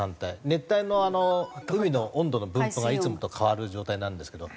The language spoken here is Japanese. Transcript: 熱帯の海の温度の分布がいつもと変わる状態なんですけど。